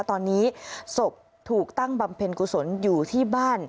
ตอนนี้ศพถูกตั้งบำเพ็ญกุศลอยู่ที่บ้าน